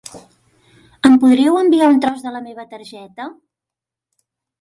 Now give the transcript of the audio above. Em podríeu enviar un tros de la meva targeta?